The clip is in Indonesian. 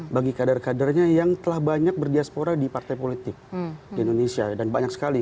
bagi kader kadernya yang telah banyak berdiaspora di partai politik di indonesia dan banyak sekali